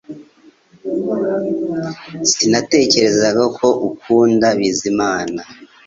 Sinatekerezaga ko ukunda Bizimana